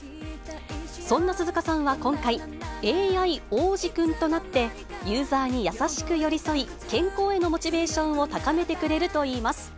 そんな鈴鹿さんは今回、ＡＩおーじくんとなって、ユーザーに優しく寄り添い、健康へのモチベーションを高めてくれるといいます。